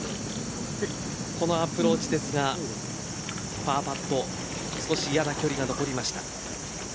このアプローチですがパーパット少し嫌な距離が残りました。